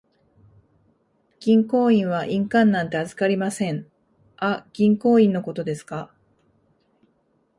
銀行員は印鑑なんて預かりません。あ、銀行印のことですか。